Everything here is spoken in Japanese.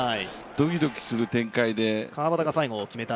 ドキドキする展開で。